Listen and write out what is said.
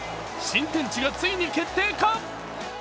新天地がついに決定か？